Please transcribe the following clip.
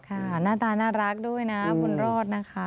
หน้าตาน่ารักด้วยนะบุญรอดนะคะ